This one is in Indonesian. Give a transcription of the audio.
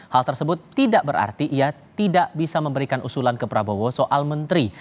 hal tersebut tidak berarti ia tidak bisa memberikan usulan ke prabowo soal menteri